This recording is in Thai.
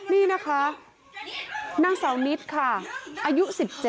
นี่นะคะนางเสานิดค่ะอายุ๑๗